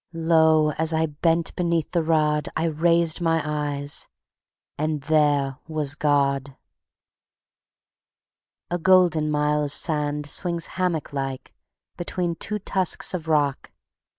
Lo! as I bent beneath the rod I raised my eyes ... and there was God. A golden mile of sand swings hammock like between two tusks of rock.